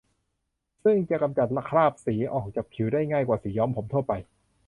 ซึ่งจะกำจัดคราบสีออกจากผิวได้ง่ายกว่าสีย้อมผมทั่วไป